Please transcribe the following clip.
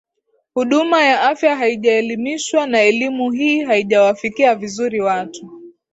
huduma ya afya haijaelimishwa na elimu hii haijawafikia vizuri watu